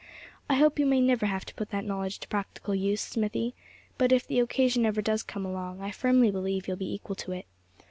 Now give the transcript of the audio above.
I hope you may never have to put that knowledge to practical use, Smithy; but if the occasion ever does come along, I firmly believe you'll be equal to it.